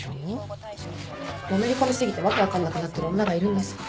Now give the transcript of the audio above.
のめり込み過ぎて訳分かんなくなってる女がいるんです。